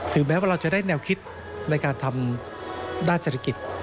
แม้ว่าเราจะได้แนวคิดในการทำด้านเศรษฐกิจ